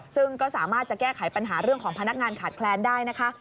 ซึ่งก็สามารถจะแก้ไขปัญหาเรื่องของพนักงานขาดแคลนได้นะคะ